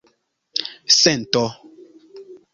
sento